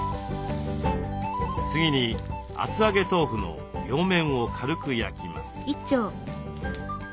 次に厚揚げ豆腐の両面を軽く焼きます。